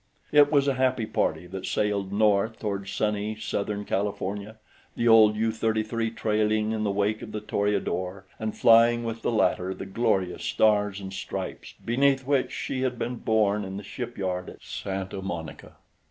It was a happy party that sailed north toward sunny, southern California, the old U 33 trailing in the wake of the Toreador and flying with the latter the glorious Stars and Stripes beneath which she had been born in the shipyard at Santa Monica.